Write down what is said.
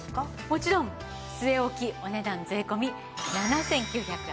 もちろん据え置きお値段税込７９８０円です。